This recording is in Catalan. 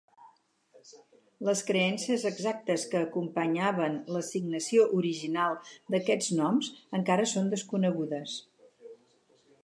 Les creences exactes que acompanyaven l'assignació original d'aquests noms encara són desconegudes.